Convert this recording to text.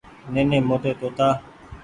نيني موٽي توتآ ۔